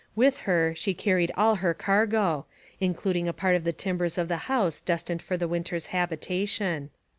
With her she carried all her cargo, including a part of the timbers of the house destined for the winter's habitation.